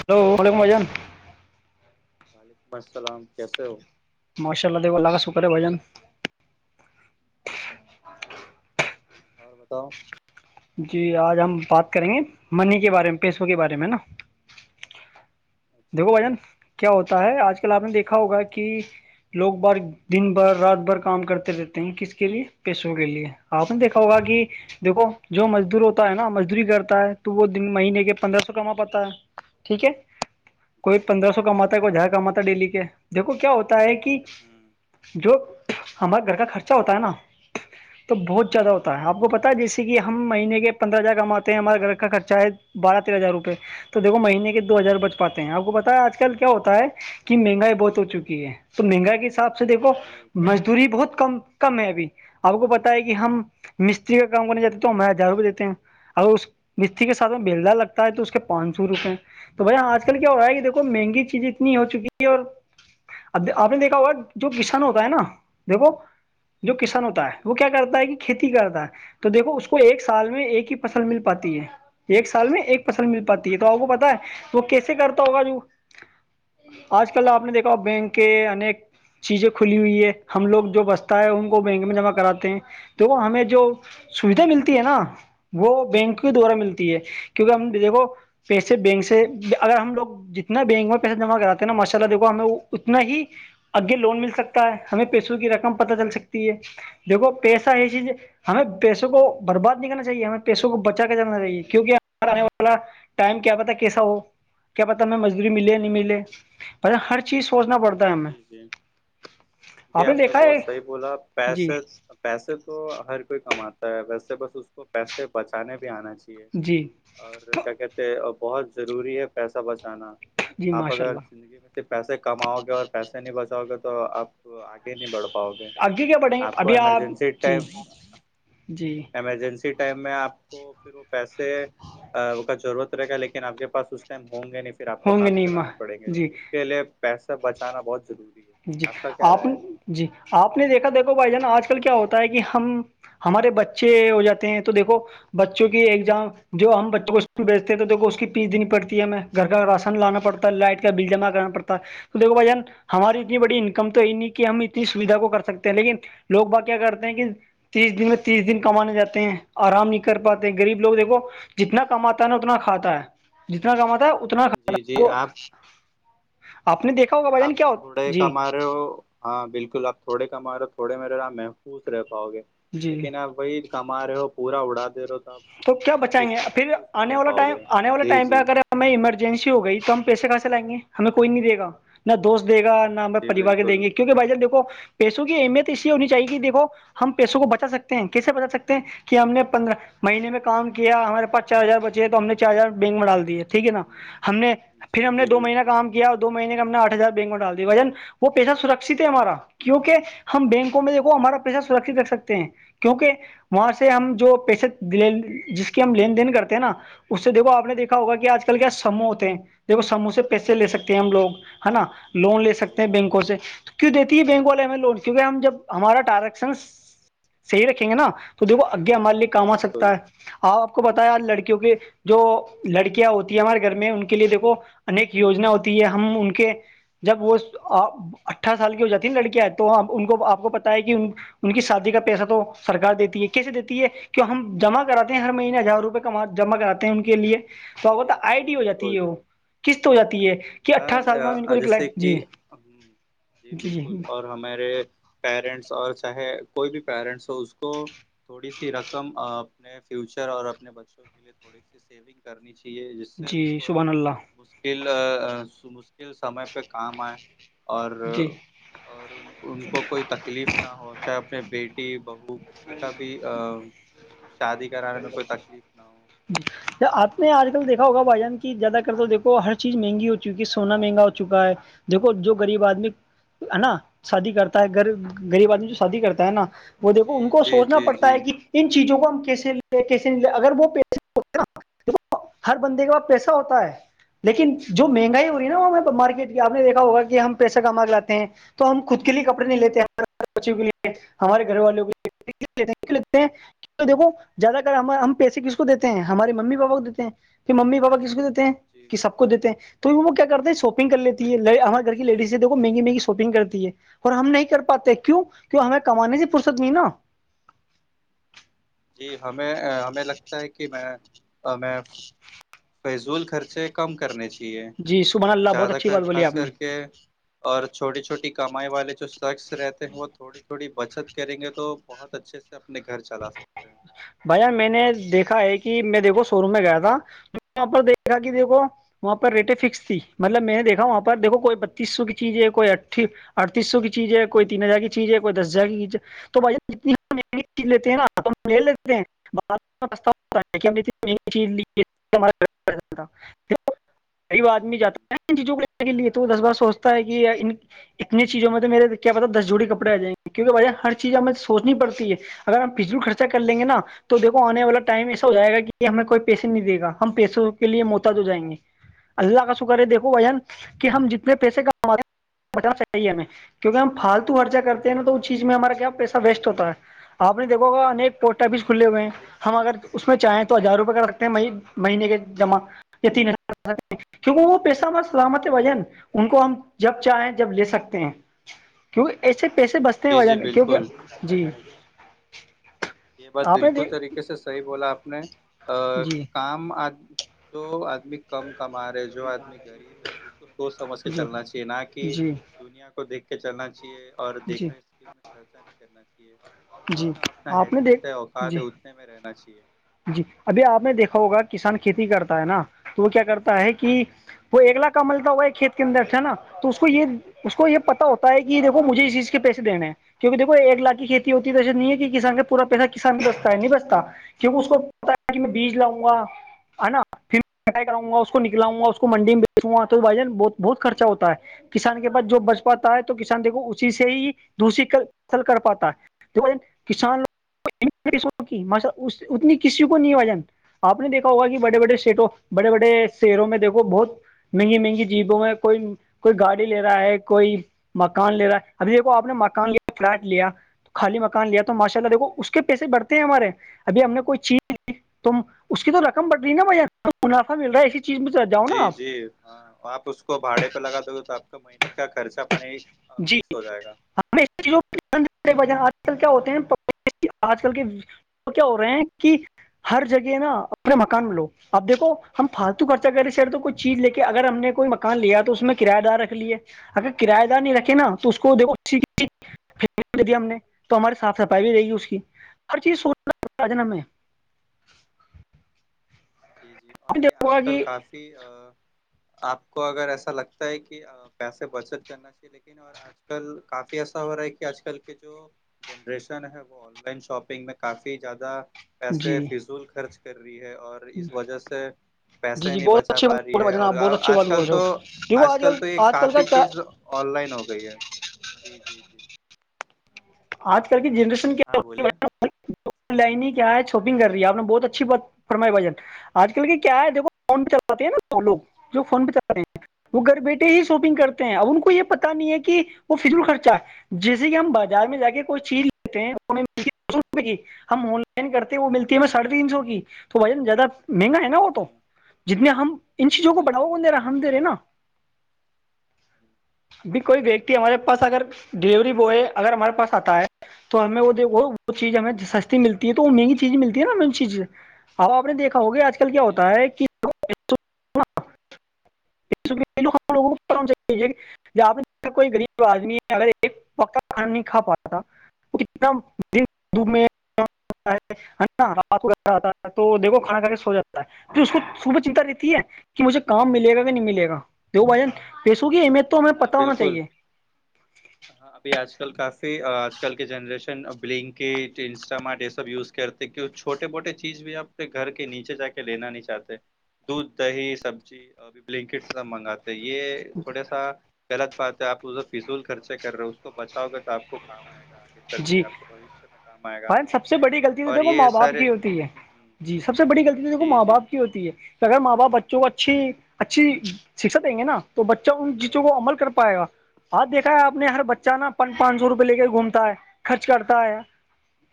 Hello وعلیکم مھجان وعلیکم السلام کیسے ہو ماشاء اللہ دیکھ لگا سکے بجن اور بتاؤ جی آج ہم بات کریں گے منی کے بارے میں پیسوں کے بارے میں نا اچھا دیکھو بھجن اچھا کیا ہوتا ہے آج کل آپ نے دیکھا ہوگا کہ لوگ بار دن بھر رات بھر کام کرتے رہتے ہیں کس کے لیے پیسوں کے لیے آپ نے دیکھا ہوگا کہ جی دیکھو جو مزدور ہوتا ہے نا مزدوری کرتا ہے تو وہ دن مہینے کے پندرہ سو کما پاتا ہے ٹھیک ہے جی کوئی ہوں پندرہ سو کماتا ہے کوئی ہزار کماتا ہے ڈیلی کے دیکھو کیا ہوتا ہے کہ ہوں جو ہمارے گھر کا خرچہ ہوتا ہے نا تو بہت زیادہ ہوتا ہے ہوں آپ کو پتا ہے جیسے کہ ہم مہینے کے پندر ہزار کماتے ہیں ہمارا گھر کا خرچہ ہے بارہ تیرہ ہزار روپئے تو دیکو مہینے کے ہزار بچ پاتے ہیں آپ جی کو پتا آج کل کیا ہوتا ہے کہ مہنگائی بہت ہو چکی ہے تو مہنگائی کے حساب سے سے دیکھو مزدوری بہت کم کم ہے ابھی آپ کو پتا ہے کہ ہم مستری کا کام کرنے جاتے ہمیں ہزار روپئے دیتے ہیں اگر اس مستھی کے سھ میں بیلدا لگتا ہے تو اس کے پانچ سو روپئے تو بھ آج کل کیا ہوا ہے کہ دیکو مہنگی چیزیں اتنی ہو چکی ہے اور اب آپ نے دیکھا ہوگا جو کسن ہوتا ہے نا دیکھو جو کسان ہوتا ہے ہوں وہ کیا کرتا ہے کہ کھیتی کرتا ہے تو دیکھو اس کو ایک سال میں ایک ہی فصل مل پاتی ہے ایک سال میں ایک فصل مل پاتی ہے تو آپ کو جی پتا ہے وہ کیسے کرتا ہوگا جو آج کل آپ نے دیکھا بینک کے انیک چیزیں کھلی ہوئی ہے ہم لوگ جو بستا ہے ان کو بینک میں جمع کراتے ہیں تو وہ ہمیں جو سویدھا ملتی ہے نا وہ بینک کے دوارا ملتی ہے کیونکہ ہم دیکھو پیسے بینک سے اگر ہم لوگ جتنا بینک میں پیسہ جمع کراتے ہیں نا مسالہ دیکھو ہمیں اتنا ہی اگے لون مل سکتا ہے ہمیں پیسوں کی رقم پتہ چل سکتی ہے دیکھو پیسہ یہ چیز ہمیں پیسوں کو برباد نہیں کرنا چاہیے ہمیں پیسوں کو بچا کر جانا چاہیے کیونک آنے والا ٹائم کیا پتا کیسا ہو کیا پتا ہمیں مزدوری ملے یا نہیں ملے ہوں پ ہر چیز سوچنا پڑتا ہے جی ہمیں جی جی جی آپ نے بہت صحیح بولا جی پیسے پیسے تو ہر کوئی کماتا ہے ویسے بس اس کو پیسے بچانے بھی آنا چاہیے جی اور کیا کہتے ہیں بہت ضروری ہے پیسہ بچانا جی آپ ماشاء اگر اللہ زندگی میں صرف پیسے کماؤ گے اور پیسے نہیں بچاؤ گے تو آپ تو آگے نہیں بڑھ پاؤ گے آگے کیا بڑھیں گے آپ کو ابھی ایمرجنسی ٹائم جی جی ایمرجنسی ٹائم میں آپ کو پھر وہ پیسے کا ضرورت رہےا لیکن آپ کے پس اس ٹائم ہوں گے نہیں پھر آپ کو ہوں گے ہاتھ نہیں ماں پھیلانے پڑیں گے جی اس کے لیے پیسے بچانا بہت ضروری ہے جی کا کیا آپ رائے ہے جی آپ نے دیکھا دیکھو بھائی جان آج کل کیا ہوتا ہے کہ ہم ہمارے بچے ہو جاتے ہیں تو دیکھو بچوں کی ایگزام جو ہم بچوں کو اس بیچتے تھ تو اس کی پیس دینیڑتی ہے ہمیں گھر کا راشن لانا پڑتا ہے لائٹ بل جمع کرنا پڑتا ہے تو دیکھو بھائیان ہماری تو بڑی انکم تو یہ نہیں کہ ہم اتنی سویدھا کو کر سکتے ہیں لیکن لوگ با کیا کرتے ہیں کہ تیس دن میں تیس دن کمانے جاتے ہیں آرام نہیں کر پاتے غریب لوگ دیکھو جتنا کماتا ہے نا اتنا کھاتا ہے جتنا کماتا ہے اتنا جی اتناھ جی وہ آپ آپ نے دیکھا ہوگا بھ جان آپ کیا ہو تھوڑے جی کما رہے ہو ہاں بالکل آپ تھوڑے کما رہے ہو تھوڑے میرے ر محفوظ رہ پاؤ گے جی لیکن آپ وہی کما رہے ہو پورا اڑا دے رہے ہو آپ تو کیا آپ بچائیں گے اس میں پھر محفوظ نہیں آنے رہ والا پاؤ ٹائم گے آنے والے جی ٹائم پہ جی اگر ہم ایمرجنسی ہو گئی تو ہم پیسے کہاں سے لائیں گے ہمیں کوئی نہیں دےا نہ دوست جی دے گا نہ ہم جی پریوار کے دیں بالکل گے کیونکہ بھائی جل دیکو پیسوں کی اہمیت اس لیے ہونی چاہیے کہ دیکو ہم پیسوں کو بچا سکتے ہیں کیسے بچا سکتے ہیں کہ ہم نے پندرہ مہینے میں کام کیا ہمارے پاس چار ہزار بچے تو ہم نے چار ہزار بینک میں ڈال دیے ٹھیک ہے نا ہ ہم نے پھر جی ہم نے جی دو مہینہ بالکل کام کیا دو مہینے کا ہم نے آٹھ ہزار بینک میں ڈال دیا بجن وہ پیسہ سرکشت ہے ہمارا کیونکہ ہم بینکوں میں دیکھو ہمارا پیسہ سرکت رکھ سکتے ہیں کیونکہ وہاں سے ہم جو پیسے جس کی ہم لین دین کرتے ہیں نا اس سے دیکو آپ نے دیکا ہوا کہ آج کل کیا سموہ ہوتے ہیں دیکو سموہ سے پیسے لے سکتے ہیں ہم لوگ ہے نا لون لے سکتے جی ہیں جی بینکوں سے کی دیتی ہے بینک والے ہمیں لون کیونکہ ہم جب ہمارا ٹرزیکشن صحی رکھیں گے نا تو دھو جی آگے ہم م لے کام آ سکتا بالکل ہے آپ آپ کو بتایا یار لڑکیوں کے جو لڑکیاں ہوتی ہے ہمارے گھر میں ان کے لیے دیکھو انیک یجنا ہ ہوتی ہے ہم ان کے جب وہ اٹھا سال کی جتین لڑکیاںئے تو ان کو آ کو پت ہے کہ ان کی شادی کا پیسہ تو سرار دیتی ہے کیسے دیتی ہے کہ ہم جمع کراتے ہیں ہر مہینے ہزار روپئے کما جمع کراتے ہیں ان کے لیے تو ہوتا جی آئی جی ڈی ہو جاتی ہے وہ قسط ہو جاتی ہے کہ اٹھارہ سال میں ہم ان کو ہ نکلائیں جیسے جی کہ ہ جی بالکل اور ہمارے پیرنٹس اور چاہے کوئی بھی پیرنٹس تو اس کو تھوڑی سی رقم اپنے فیوچر اور اپنے بچوں کے لیے تھوڑی سی سیونگ کرنی چاہیے جس سے جی ان کو سبحان اللہ مشکل مشکل سمے پہ کام آئے اور جی اور ان ان کو کوئی تکلیف نہ ہو چاہے اپنے بیٹی بہو کسی کا بھی ا شادی کرانے میں کوئی تکلیف نہ ہو ج آپ نے آج کل دیکھا ہوگا بھائی جان کی زیادہ کر تویکھو ہر چیز مہنگی ہو چک ہے سونا مہنگا ہو چکا ہے دیکھو جو غریب آدمی ہے نا شادی کرتا ہے گب غریب آدمی جو شادی کرتا ہے نا وہ دیکھو ان جی کو جی سوچنا جی پڑتا جی ہے کہ ان چیزوں کو ہم کیسے لے کیسے لے اگر وہ پیسے دیک ہر بندے کے بعس پیسہ ہوتا ہے لیکن جو مہنگائی ہو رہی نا وہ مارکیٹ کی آپ نے دیکھا ہوگا کہ ہم پیسہ کما کر لاتے ہیں تو ہم خود کے لیے کپڑے نہیں لیتے ہمے بچیوں کے لیے ہمارے گھر والوں کے لیے لگتے ہیں دیکھو زیادہ کر ہم ہم پیسے کس کو دیتے ہیں ہمارے ممی پاپا کو دیتے ہیں کہ ممی پاپا کس کو دیتے ہیں جی کہ سب کو دیتے ہیں تو وہ کیا کرتے ہیں شاپنگ کر لیتی ہے ہمارے گھر کی لیڈیز ہےیکھ مہگی مہنی شاپنگ کرتی ہے اور ہم نہیں کر پاتے کیوں کیوں ہمیں جی کمانانی فرصت مینا جی ہمیں ہمیں لگتا ہے کہ میں ہمیں [inaudible] فیضول خرچے کم کرنے چاہیے جی سبحان اللہ بہت زیادہ اچھی تر بات بولی خاص آپ کر نے کے اور چھوٹی چھوٹی کمائی والے جو شخص رہتے ہیں وہ تھوڑی تھوڑی بچت کریں گے تو بہت اچھے سے اپنے گھر چلا سکتے ہیں بھیا میں نے دیکھا ہے کہ میں دیکھو شو روم میں گیا تھا وہاں پر دیکھا کہ دیکھو وہاں پر ریٹیں فکس تھی مطلب میں نے دیکھا وہاں پر دیکھو کوئی ہوں بتیس سو کی چیز ہے کوئی ا ٹھیک اڑتیس سو کییز ہے کوئی تین ہزار کی چیز ہے کوئی دس ہزار کی چیز ہے تو بھ جتنیی لیتے ہیں نا تو مل لی چیز لی ہم [inaudible] غریب آدمی ہوں جاتا ہے ان چیزوں کو لینے کے لیے تو وہ دس بار سوچتا ہے کہ اتنی چیزوں میں تویرے کیا پتا دس جوڑی کپڑے آ جائیںے کیونکہجہ ہر چیز ہمیں سوچنی پڑتی ہے اگر ہم پچھل خرچ کر لیں گے تو دیکھو آنے والا ٹائم ایسا ہو جائے گا کہ ہمیں کوئی پیسے نہیں دے گا ہم پیسوں کے لیے محتاد ہو جائیں گے اللہ کا شکر ہے دیکھو ہوں۔ وین کہ ہم جتنے پیسے کماے ہیں بتانا چاہیے ہمیں کیونکہ ہم فالتو خرچہ کرتے ہیں نا تو اس چیز میں ہمارا کیا پیسہ ویسٹ ہوتا ہے آپ نے دیکو گا بس کھلے ہوئے ہیں ہم اگر اس میں چاہیں تو ہزار روپئے کا رکھتے ہیں مہینے کے جمع یہ تین کیونکہ وہ پیشہامہ سلامت ہے وجن ان کو ہم جب چاہیں جب لے سکتے ہیں کیوں ایسے پیسے بچتے ہیں جی وجہ جی میں کیونکہ بالکل جی یہ بات آپ نے بالکل دیکھ طریقے سے صحیح بولا آپ نے جی کام آ تو آدمی کم کما رہے جو آدمی غریب ہے اس کو سوچ سمجھ کے جی چلنا چاہیے نہ کہ جی دنیا کو دیکھ کے چلنا چاہیے اور جی دیکھا اسک میں خرچہ نہیں کرنا چاہیے جی جتنا اپنا آپ نے حیثیت دیکھ ہے اوقات جی ہے اتنے میں رہنا چاہیے جی ابھی آپ نے دیکھا ہوگا کسان کھیتی کرتا ہے نا تو وہ کیا کرتا ہے کہ جی وہ اگلا کمل تو وہ کھیت کے اندر سے نا تو اس کو یہ اس کو یہ پتا ہوتا ہے کہ دھو مجھے اس چیز کے پیسے دینے ہیں کیونکہ دیکو ایک لاکھ کی کھیتی ہوتی توے نہیں ہے کہ کسان کا پورا پیسہ کسان بھی بستا ہے نہیں بستا کیونکہ اس کو پتا ہے کہ میں بیج لاؤں گا ہے نا پھر میں کٹائی کراؤ گا اس کو نکلاؤں گا اس کو منڈی میں بیچوںا تو بھائی جان بہت بہت خرچہ ہوتا ہے کسان کے پاس جو بچ پاتا ہے تو جی کسان دیکھو اسی سے ہی دوری قتل کر پاتا ہے کسانش اتنی کسی کو نہیں ہے وجن آپ نے دیکھا ہوگا کہ بڑے بڑے شیٹوں بڑے بڑے شہروں میں دیکھو بہت مہنگی مہنگی جیبوں میں کوئی کوئی گاڑی لے رہا ہے کوئی مکان لے رہا ہے ابھی دیکو آپ نے مکان لیا فلیٹ جی لیا خالی مکان لیا تو ماشاء اللہ دیکو جی اس کے پیسے بڑھتے ہیں ہمارے ابھی ہم نے کوئی چیز کی ت اس کی تو رقم بڑھ رہی نا بھ منافع مل رہا ہے ایسی چیزج جا جی جی ہاں آپ اس کو بھاڑے پہ لگا دو گے تو آپ کو مہینے کا خرچہ پانی ہاں فکس ہو جائے گا جہ آج کل کیا ہوتے ہیں آج کل کے تو کیا ہو رہے ہیں کہ ہر جگہ نا اپنے مکان میں لو اب دیکو ہم فالتو خرچہ کریںے شر تو کوئی چیز لے کے اگر ہم نے کوئی مکان لیا تو اس میں کرایہ دار رکھ لیے اگر کرایہ دار نہیں رکھے نا تو اس کو دیکھو اسی دیا ہم نے تو ہماری صاف صفائی بھی رہے گی اس کی ہر چیز سوچنا ہمیں جی جی آپ اور نے یہ دیکھا آج ہوگا کل کہ کافی آپ کو اگر ایسا لگتا ہے کہ پیسے بچت کرنا چاہیے لیکن اور آج کل کافی ایسا ہو رہا ہے کہ آج کل کے جو جنریشن ہے وہ آن لائن شاپنگ میں کافی زیادہ جی پیسے فضول خرچ کر رہی ہے اور اس وجہ سے جی پیسے جی نہیں بہت بچا اچھی بات پا رہی بول رہے ہو ہے بھائی جان اور آپ بہت اچھی آج بات بول کل رہے ہو تو دیکھو آج کل تو یہ آج کل کافی کا چیز آن لائن ہو گئی ہے جی جی جی آج کل کی جنریشن کیا ہاں ہوتی ہے بولیے لائن ہی کیا ہے شاپنگ کر رہی ہے آپ نے بہت اچھی بات فرمائی بھجن آج کل کی کیا ہے دیکو فون پہ چلاتے ہیں نا وہ لوگ جو فون پہ چلاتے ہیں وہ گھر بیٹھے ہی شاپنگ کر ہیں اب ان کو یہ پتا نہیں ہے کہ وہ فضول خرچہ جیسے کہ ہم بازار میں جاے کوئی چیز لیتے ہیں ہمیں ملتی ہے دو سو روپئے کی ہم آن لائن کرتے ہیں وہ ملتی ہے ہمیں ساڑھے جی تین سو کی تو بھائی ج زیادہ مہنگا ہے نا وہ تو جی جتنے ہم ان چیزوں کو بڑاؤو بالکل بالکل کو دے رہا دے رہے نا ہوں، ابھی کوئی ویکتی ہمارے پاس اگر بالکل ڈیلیوری بوائے اگر ہمارے پاس آتا ہے تو ہمیں وہ د وہ چیز ہمیں ہ سستی ملتی تو مہنگی چیزیں ملتی ہے نا ان چیز سے اب آپ نے دیکھا ہوگے آج کل کیا ہوتا ہے کہ ہاں لگ ہم سےیے کہ جہپ کوئی غریب آدمی ہے اگر ایک پکا پ نہیں کا پاتا انا دن میں تا ہے تو دیکھو کھانا کھا کے سو جاتا ہے پھر اس کو صبح چنتا رہتی ہے کہ مجھے کام ملے گا کہ نہیں ملے گا دیو بھائیجن پیسوں کی اہمیت تو ہمیں جی پتہ ہونا بالکل چاہیے ہاں ابھی آج کل کافی آج کل کے جنریشن بلنکٹ انسٹ مارٹ یہ سب یوز کرتے کی چھوٹے موٹے چیز بھی آنے گھر کے نیچے جا کے لینا نہیں چاہتے دودھ دہی سبزی اوربھی بلینکٹ سب منگاتے ہیں یہ تھوڑے غط بات ہے آپ فضول خرچے کر رہے ہو اس کو بچاؤ گے تو آپ کو کام آئے گا چلتے آپ سے بھشیہ میں کام آئے ب گا سب سے بڑی غلطی تو اور دیکھو یہ ماں باپ سارے کی ہوتی ہے ہوں، جی سب سے بڑی غلطی تو دیکھو جی ماں جی باپ کی ہوتی ہے کہ اگر ماں باپ بچوں کو اچھی اچھی شکشا دیں گے نا تو بچہ ان چیزوں کو عمل کر پائے گا ہاں دھا ہے آپ نے ہر بچہ نا پچ پانچ سو روپے لے کے گھومتا ہے خرچ کرتا ہے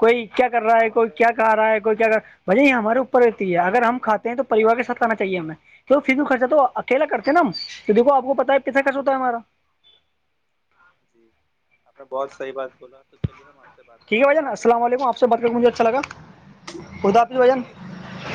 کوئی کیا کر رہا ہے کوئی کیا کہا رہا ہے کوئی کیا وج یہ ہمارے اوپر رہتی ہے اگر ہم کھات ہیں تو پریوار کے سھ آنا چاہیے ہمیں فھر خرچہ تو کھیلا کرتے جی ہیں نا ہم تو دھو آپ کو پتا ہے پتس کس ہوتا ہے ہمارا جی آپ نے بہت صحیح بات بولا تو چلیے ہم آپ سے بعد میں ٹھیک ہے بات بھائین کرتے ہیں، السلام اللہ علیکم آپ سے حافظ بات کر کے مجھے اچھا لا بدا آپج بھن جی جی اللہ حافظ